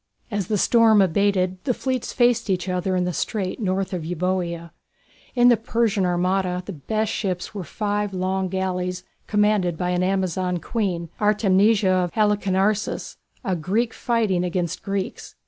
As the storm abated the fleets faced each other in the strait north of Euboea. In the Persian armada the best ships were five long galleys commanded by an Amazon queen, Artemisia of Halicarnassus, a Greek fighting against Greeks.